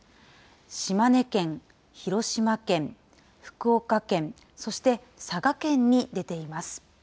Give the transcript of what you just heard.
島根県、広島県、福岡県、そして佐賀県に出ています。